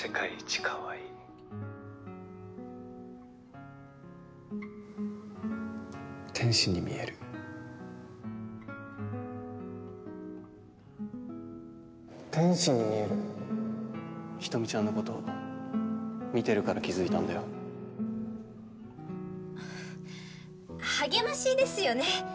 かわいい天使に見える天使に見える人見ちゃんのこと見てるから気づいた励ましですよね